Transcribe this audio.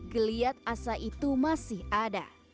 geliat asa itu masih ada